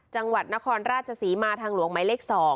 จังหวัดนครราชศรีมาทางหลวงหมายเลข๒